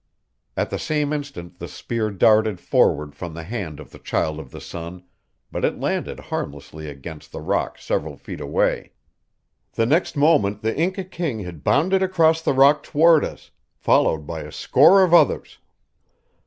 At the same instant the spear darted forward from the hand of the Child of the Sun, but it landed harmlessly against the rock several feet away. The next moment the Inca king had bounded across the rock toward us, followed by a score of others.